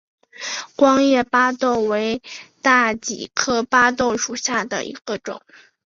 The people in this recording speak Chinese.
光叶巴豆为大戟科巴豆属下的一个种。